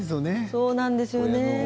そうなんですよ。